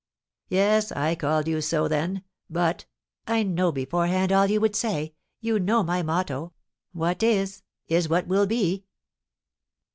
"Yes, I called you so then; but " "I know beforehand all you would say: you know my motto, 'What is, is what will be.'"